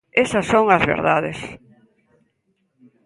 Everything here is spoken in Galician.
¡Esas son as verdades!